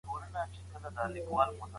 حضوري ټولګي به د همکارۍ فرصت برابر کړي.